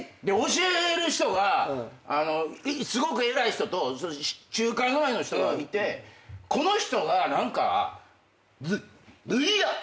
教える人がすごく偉い人と中間ぐらいの人がいてこの人が何か「どぅいや！